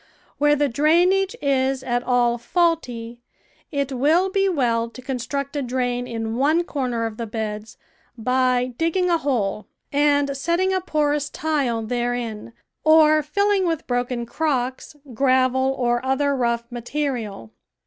Where the drainage is at all faulty it will be well to construct a drain in one corner of the beds by digging a hole and setting a porous tile therein, or filling with broken crocks, gravel, or other rough material.